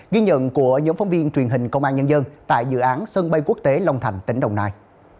ghi nhận của nhóm phóng viên truyền hình công an nhân dân tại dự án sân bay quốc tế long thành tỉnh đồng nai